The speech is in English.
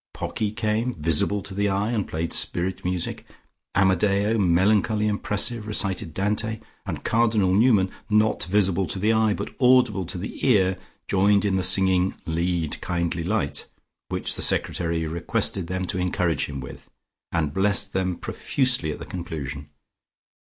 Pocky came, visible to the eye, and played spirit music. Amadeo, melancholy and impressive, recited Dante, and Cardinal Newman, not visible to the eye but audible to the ear, joined in the singing "Lead, Kindly Light," which the secretary requested them to encourage him with, and blessed them profusely at the conclusion.